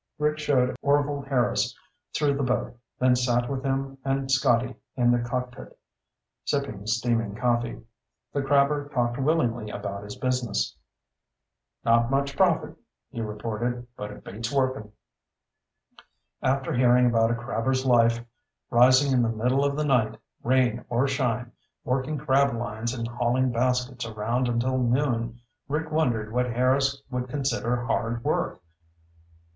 Rick showed Orvil Harris through the boat, then sat with him and Scotty in the cockpit, sipping steaming coffee. The crabber talked willingly about his business. "Not much profit," he reported, "but it beats workin'." After hearing about a crabber's life, rising in the middle of the night, rain or shine, working crab lines and hauling baskets around until noon, Rick wondered what Harris would consider hard work.